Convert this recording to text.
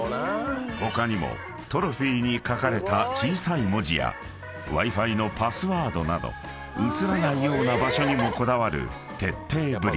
［他にもトロフィーに書かれた小さい文字やＷｉ−Ｆｉのパスワードなど映らないような場所にもこだわる徹底ぶり］